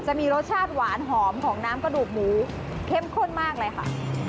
จะมีรสชาติหวานหอมของน้ำกระดูกหมูเข้มข้นมากเลยค่ะ